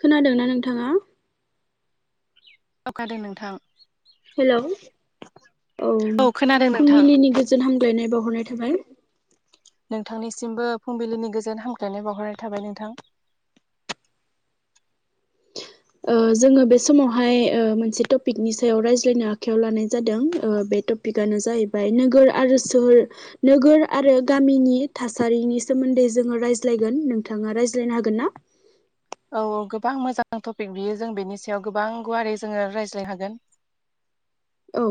खोनादोंना नोंथाङा? औ खोनादों नोंथां। हेल' औ औ खोनादों नोंथां फुंबिलिनि गोजोन हामलायनाय बावहरनाय थाबाय नोंथांनिसिमबो फुंबिलिनि गोजोन हामलायनाय बावहरनाय थाबाय नोंथां जोङो बे समावहाय मोनसे टपिकनि सायाव रायज्लायनो आखायाव लानाय जादों बे टपिक टपिकानो जाहैबाय नोगोर आरो सोहोर नोगोर आरो गामिनि थासारिनि सोमोन्दै जोङो रायज्लायगोन नोंथाङा रायज्लायनो हागोन ना औ औ गोबां मोजां टपिक बियो जों बेनि सायाव गोबां गुवारै जोङो रायज्लाय हागोन औ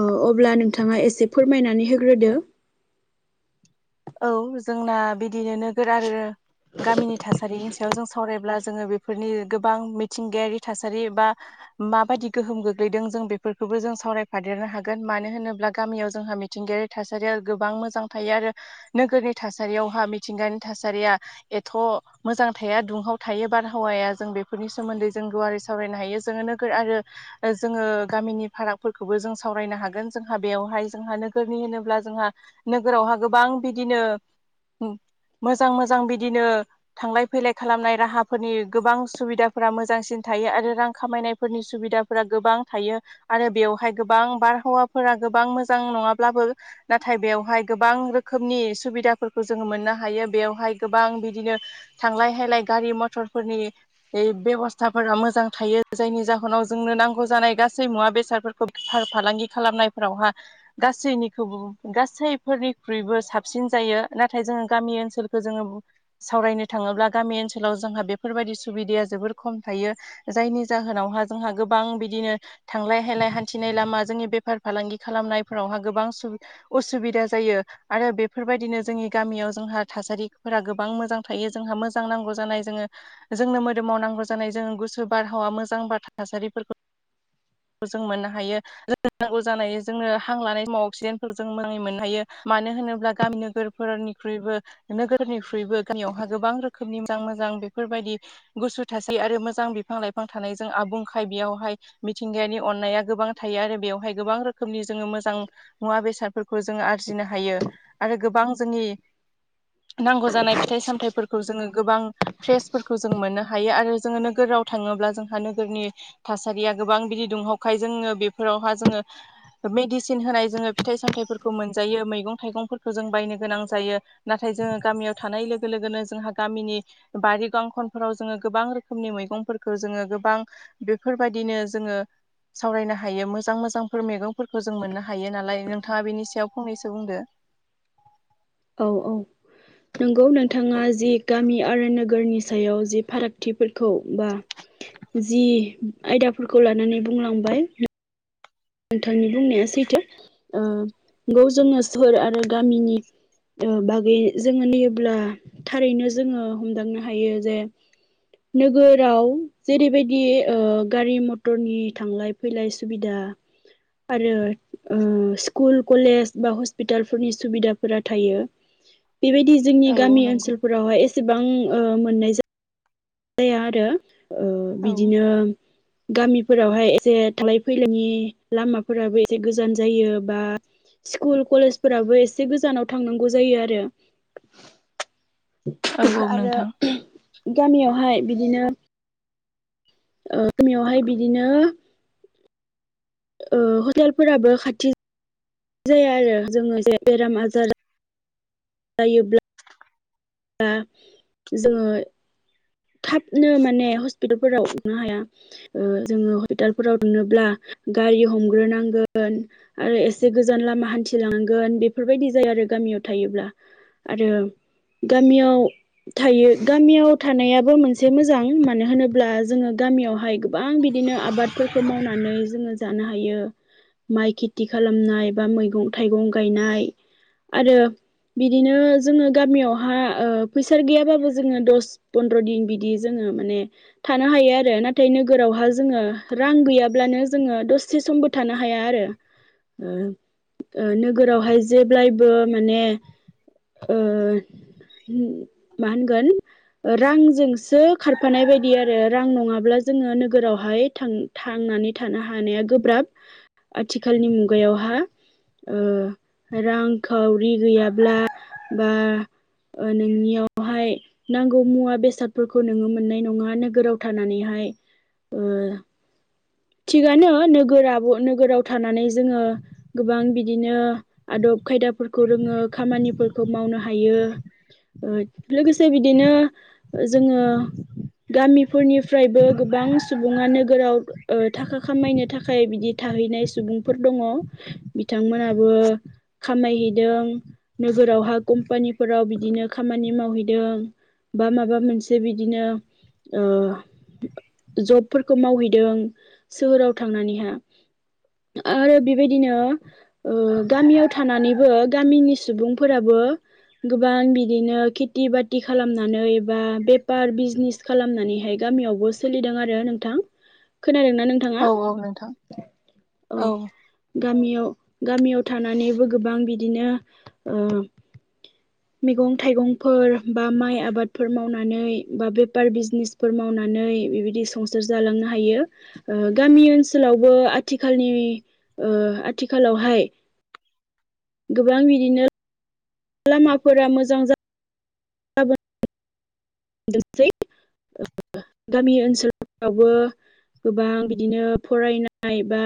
औ अब्ला नोंथांङा एसे फोरमायनानै होग्रोदो औ जोंना बिदिनो नोगोर आरो गामिनि थासारि सायाव जों सावरायब्ला जोङो बेफोरनि गोबां मिथिंगायारि थासारि एबा माबायदि गोहोम गोग्लैदों जों बेफोरखौबो जों सावरायफादेरनो हागोन मानो होनोब्ला गामियाव जोंहा मि मिथिंगायारि थासारिया गोबां मोजां थायो आरो नोगोरनि थासारियावहा मिथिंगानि थासारिया एथ' मोजां थाया दुंहाव थायो बारहावाया जों बेफोरनि सोमोन्दै जों गुवारै सावरायनो हायो जोङो [unintelligible] आरो जोंङो गामिनि फारागफोरखौबो जों सावरायनो हागोन जोंहा बेवहाय जोंहा नोगोरनि होनोब्ला जोंहा नोगोरावहा गोबां बिदिनो मोजां मोजां बिदिनो थांलाय फैलाय खालामनाय राहाफोरनि गोबां सुबिदाफोरा मोजांसिन थायो आरो रां खामायनायफोरनि सुबिदा फोरा गोबां थायो आरो बेवहाय गोबां बारहावाफोरा गोबां मोजां नङाब्लाबो नाथाय बेयावहाय गोबां गोबां रोखोमनि सुबिदाफोरखौ जोङो मोननो हायो बेवहाय गोबां बिदिनो थांलाय फैलाय गारि मथरफोरनि बे बेब'स्थाफोरा मोजां थायो जायनि जाहोनाव जोंनो नांगौ जानाय गासै मुवा बेसाद फालांगि खालामनायफोरावहा गासैनिखौबो गासै फोरनिख्रुइबो साबसिन जायो नाथाय जोंङो गामि ओनसोलखौ जोङो सावरायनो थाङोब्ला गामि ओनसोलाव जोंहा बेफोरबायदि सुबिदाया जोबोर खम थायो जायनि जाहोनावहा जोंहा गोबां बिदिनो थांलाय हैलाय हान्थिनाय लामा जोंनि बेफार फालांगि खालामनायफोरावहा गोबां असुबिदा जायो आरो बेफोरबायदिनो जोंनि गामियाव जोंहा थासारिफोरा गोबां मोजां थायो जोंहा मोजां नांगौ जानाय जोङो जोंनो मोदोमावनांगौ जानाय जोङो गुसो बारहावा मोजां थासारिफोरखौ जों मोननो हायो जों नांगौ जानाय जोंङोनो हां लानाय समाव अक्सिडेन्टखौ जों मोजाङै मोननो हायो मानो होनोब्ला गामि नोगोरफोरनिख्रुइबो नोगोरनिख्रुइबो गामियावहा गोबां रोखोमनि मोजां मोजां बेफोरबायदि गुसु थासै आरो मोजां बिफां लाइफां थाऊनायजों आबुंखाय बेयावहाय मिथिंगायानि अननाया गोबां थायो आरो बेवहाय गोबां रोखोमनि जोंङो मोजां मुवा बेसादफोरखौ जोंङो आरो सोरजिनो हायो आरो गोबां जोंनि नांगौ जानाय फिथाइ सामथायाइफोरखौ खौ जोंङो गोबां फ्रेसफोरखौ जों मोननो हायो आरो जोंङो नोगोराव थांङोब्ला जोंहा नोगोरनि थासारिया गोबां बिदि दुंहावखायो जोङो बेफोरावहा जोंङो मेडिसिन होनाय जोङो फिथाइ सामथाइफोरखौ मोनजायो मैगं थाइगंफोरखौ जों बायनो गोनां जायो नाथाय जोङो गामियाव थानाय लोगो लोगोनो जोंहा गामिनि बारि गावन फोराव जोंङो गोबां रोखोमनि मैगंफोरखौ जोंङो गोबां बेफोरबायदिनो जोंङो सावरायनो हायो मोजां मोजांफोर मैगंफोरखौ जों मोननो हायो नालाय नोंथाङा बेनि सायाव फंनैसो बुंदो औ औ नोंगौ नोंथाङा जि गामि आरो नोगोरनि सायाव जि फारागथिफोरखौ बा जि आयदाफोरखौ लानानै बुंलांबाय नोंथांनि बुंनाया सैथो ओ नंगौ जोङो सोहोर आरो गामिनि ओ बागै जोंङो नाययोब्ला थारैनो जोङो हमदांनो हायो जे नोगोराव जेरैबायदि गारि मथरनि थांलाय फैलाय सुबिदा आरो स्कुल कलेज बा हस्पिटालफोरनि सुबिदाफोरा थायो बेबायदि जोंनि औ औ गामि नंगौ ओनसोलफोरावहाय एसेबां मोननाय जाया जाया आरो औ बिदिनो गामिफोरावहाय एसे थांलाय फैलायनि लामाफोराबो एसे गोजान जायो बा स्कुल कलेजफोराबो एसे गोजानाव थांनांगौ जायो आरो औ औ आरो नोंथां गामियावहाय बिदिनो ओ गामियावहाय बिदिनो ओ हटेलफोराबो खाथि जाया आरो जोङो जे बेराम आजार जायोब्ला दा जोङो थाबनो माने हस्पिटालफोराव नुनो हाया ओ जोङो हस्पिटालफोराव लांनोब्ला गारि हमग्रोनांगोन आरो एसे गोजान लामा हान्थिलांगोन बेफोरबायदि जाया आरो गामियाव थायोब्ला आरो गामियाव थायो गामियाव थानाया बो मोनसे मोजां मानो होनोब्ला जोङो गामियावहाय गोबां बिदिनो आबादफोरखौ मावनानै जोङो जानो हायो माइ खेथि खालामनाय बा मैगं थाइगं गायनाय आरो बिदिनो जोंङो गामियावहा ओ फैसा गैयाबाबो जोंङो दस प्रदिन बिदि जोङो माने थानो हायो आरो नाथाय नोगोरावहा जोङो रां गैयाब्लानो जोङो दसे समबो थानो हाया आरो उम ओ नोगोरावहाय जेब्लायबो माने ओ मा होनगोन रांजोंसो खारफानाय बायदि आरो रां नङाब्ला जोङो नोगोरावहाय थां थांनानै थानो हानाया गोब्राब आथिखालनि मुगायावहा ओ रांखावरि गैयाब्ला बा नोंनियाव बेहाय नांगौ मुवा बेसादफोरखौ नोङो मोननाय नङा नोगोराव थानानैहाय थिगानो नोगोर नोगोराव थानानै जोङो गोबां बिदिनो आदब खायदाफोरखौ रोङो खामानिफोरखौ मावनो हायो लोगोसे बिदिनो जोङो गामिफोरनिफ्रायबो गोबां सुबुङा नोगोराव ओ थाखा खामायनो थाखाय बिदि थाहैनाय सुबुंफोर दङ बिथांमोनाबो खामायहैदों नोगोरावहा कम्पानिफोराव बिदिनो खामानि मावहैदों बा माबा मोनसे बिदिनो जबफोरखौ मावहैदों सोहोराव थांनानैहा आरो बेबायदिनो ओ गामियाव थानानैबो गामिनि सुबुंफोराबो गोबां बिदिनो खेथि बाथि खालाम नानै बा बेफार बिजनेस खालामनानैहाय गामियावबो सोलिदों आरो नोंथां खोनादोंना नोंथाङा औ औ नोंथां औ गामियाव गामियाव थानानैबो गोबां बिदिनो ओ मैगं थाइगंफोर बा माइ आबा बादफोर मावनानै बा बेफार बिजनेसफोर मावनानै बिबायदि संसार जालांनो हायो गामि ओनसोलावबो आथिखालनि ओ आथिखालावहाय गोबां बिदिनो लामाफोरा मोजां जा जागोन गासै ओ गामि ओनसोलफ्रावबो गोबां बिदिनो फरायनाय बा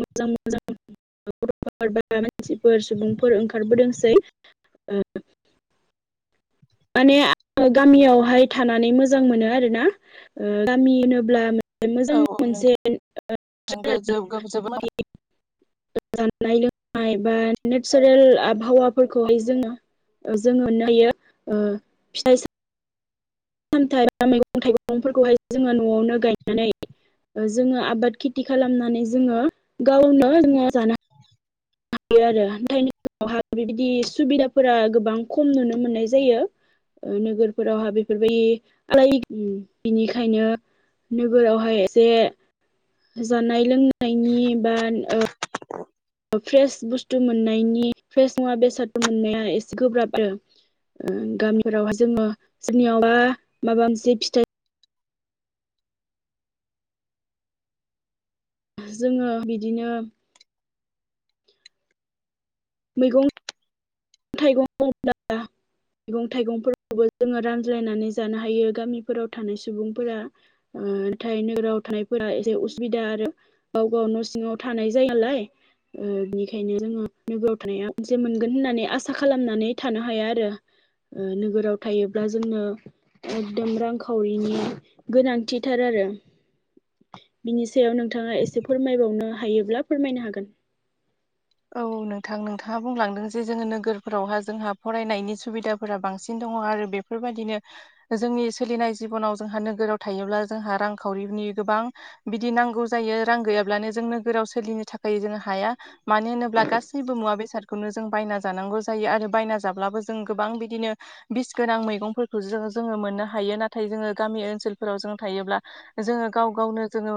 मोजां मोजां गथ' बा [unintelligible] मानसिफोर सुबुंफोर ओंखारबोदोंसै ओ माने आङो गामियावहाय थानानै मोजां मोनो आरोना ओ गामि होनोब्ला मोजां औ नोंथां मोनसे चेनेल जोबोद [unintelligible] जानाय लोंनाय बा नेचारेल आबहावाफोरखौहाय जोंङो जोंङोनो होयो फिथाइ सामथाइ सामथाइ एबा मैगं थाइगंफोरखौहाय जोङो न'आवनो गायनानै जोंङो आबाद खेथि खालामनानै जोंङो गावनो जोंङो जानो आरो थनि उनावहा बेबायदि सुबिदाफोरा गोबां खम नुनो मोननाय जायो नोगोरफोरावहा बेफोरबायदि आलाय बिनिखायनो नोगोरावहाय एसे जानाय लोंनायनि बा फ्रेस बुस्थु मोननायनि फ्रेस मुवा बेसादफोर मोननाया एसे गोब्राब आरो गामिफोरावाय जोङो जोंनियावबा माबा मोनसे फिथाइ जोंङो बिदिनो मैगं थाइगं बुंङोब्ला मैगं थाइगंफोरखौबो जोंङो रानज्लायनानै जानो हायो गामिफोराव थानाय सुबुंफोरा नाथाय नोगोराव थानायफोरा एसे उसुबिदा आरो गाव गाव न' सिंङाव थानाय जायो नालाय बिनिखायनो जोंङो नोगोराव थानाया मोनसे मोनगोन होननानै आ आसा खालामनानै थानो हाया आरो नोगोराव थायोब्ला जोंनो एकदम रांखावरिनि गोनांथिथार आरो बिनि सायाव नोंथाङा एसे फोरमायबावनो हायोब्ला फोरमायनो हागोन औ नोंथां नोंथांङा बुंलांदों जे जोंङो नोगोरफोरावहा जोंहा फरायनायनि सुबिदाफोरा बांसिन दंङो आरो बे बेफोरबायदिनो जोंनि सोलिनाय जिबनाव जोंहा नोगोराव थायोब्ला जोंहा रांखावरिनि गोबां बिदि नांगौ जायो रां गैयाब्लानो जों नोगोराव सोलिनो थाखाय जोंङो हाया मानो होनोब्ला गासैबो मुवा बेसादखौनो जों बायना जानांगौ जायो आरो बायना जाब्लाबो जों गोबां बिदिनो बिस गोनां मैगंफोरखौ जो जोंङो मोननो हायो नाथाय जोंङो गामि ओनसोलफोराव जों थायोब्ला जोंङो गाव गावनो जोंङो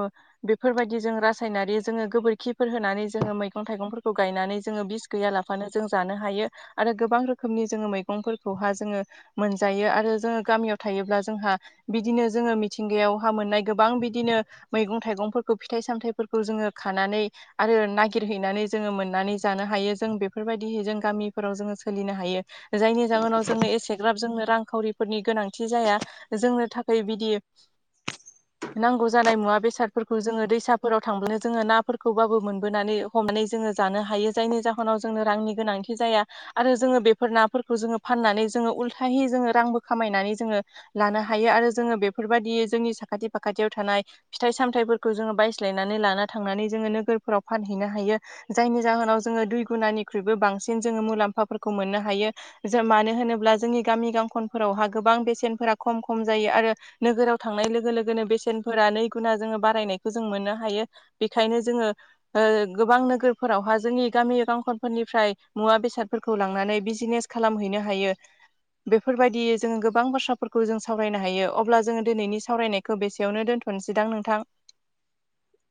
बेफोरबायदि जों रासायनारि जोंङो गोबोरखिफोर होनानै जोंङो मैगं मैगं थाइगंफोरखौ गायनानै जोङो बिस गैया लाफानो जों जानो हायो आरो गोबां रोखोमनि जोंङो मैगंफोरखौहा जोंङो मोनजायो आरो जोंङो गामियाव थायोब्ला जोंहा बिदिनो जोंङो मिथिंगायाव हहा मोननाय गोबां बिदिनो मैगं थाइगंफोरखौ फिथाइ सामथायाइफोरखौ जोंङो खानानै आरो ना गिर हैनानै जोङो मोननानै जानो हायो जों बेफोरबायदि जों गामिफोराव जोंङो सोलिनो हायो जायनि जाहोनाव जोंनो एसेग्राब जोंनो रांखावरि फोरनि गोनांथि जाया जोंनो थाखाय बिदि नांगौ जानाय मुवा बेसाद फोरखौ जोंङो दैसाफोराव थांब्लानो जोंङो नाफोरखौबाबो मोनबोनानै हमनानै जोंङो जानो हायो जायनि जाहोनाव जोंनो रांनि गोनांथि जाया आरो जोंङो बेफोर नाफोरखौ जोंङो फाननानै जोङो उल्थायै जोंङो रांबो खामायनानै जोंङो लानो हायो आरो जोंङो बेफोरबायदि जोंनि साखाथि फाखाथियाव थानाय फिथाइ सामथायफोरखौ जोंङो बायज्लायनानै लाना थांनानै जोंङो नोगोरफोराव फानहै हैनो हायो जायनि जाहोनाव जोंङो दुइ गुनानिख्रुइबो बांसिन जोंङो मुलाम्फाफोरखौ मोननो हायो ज मानो होनोब्ला जोंनि गामि गांखनफोरावहा गोबां बेसेनफोरा खम खम जायो आरो नोगोराव थांनाय लोगो लोगोनो बेसेनफोरा नै गुना जोंङो बारायनायखौ जों मोननो हायो बेखायनो जोंङो गोबां नोगोरफोरावहा जोंनि गामि गांखनफोरनिफ्राय मुवा बेसादफोरखौ लांनानै बिजिनेस खालामहैनो हायो बेफोरबायदियै जोंङो गोबां बाथ्राफोरखौ जों सावरायनो हायो अब्ला जोंङो दिनैनि सावरायनाय खौ बेसेयावनो दोनथ'नोसैदां नोंथां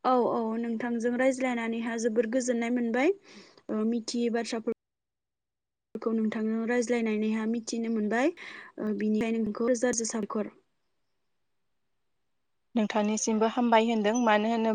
औ औ नोंथांजों रायज्लायनानैहा जोबोद गोजोननाय मोनबाय मिथियै बाथ्राफोरखौ खौ नोंथांनो रायज्लायनानैहा मिथिनो मोनबाय बिनिखायनो नोंथांखौ थोजासे साबायखर नोंथांनिसिमबो हामबाय होनदों मानो होनोब्ला